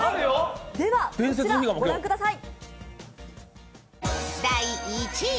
では、こちらご覧ください。